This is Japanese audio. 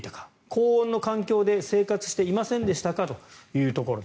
高温の環境で生活していませんでしたかというところ。